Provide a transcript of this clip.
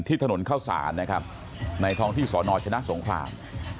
ถนนเข้าศาลนะครับในท้องที่สอนอชนะสงคราม